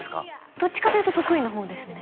どっちかというと得意なほうですね